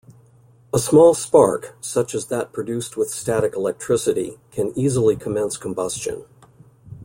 A small spark, such as that produced with static electricity, can easily commence combustion.